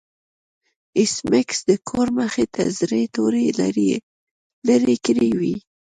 ایس میکس د کور مخې ته زړې توري لرې کړې وې